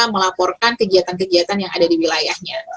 melaporkan kegiatan kegiatan yang ada di wilayahnya